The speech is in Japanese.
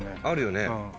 あるよね。